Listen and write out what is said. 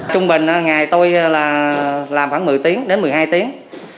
trung bình ngày tôi làm khoảng một mươi một mươi hai tiếng